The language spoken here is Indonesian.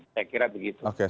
saya kira begitu